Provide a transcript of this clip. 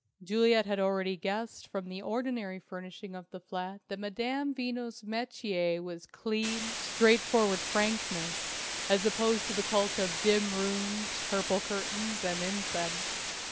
Juliet had already guessed from the ordinary furnishing of the flat that Madame Veno's metier was clean, straightforward frankness, as opposed to the cult of dim rooms, purple curtains, and incense.